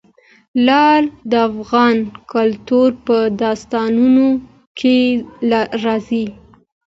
لعل د افغان کلتور په داستانونو کې راځي.